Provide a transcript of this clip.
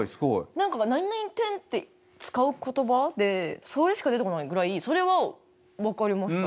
「なになに天」って使う言葉でそれしか出てこないぐらいそれは分かりました。